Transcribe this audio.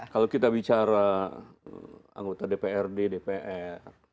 kalau kita bicara anggota dprd dpr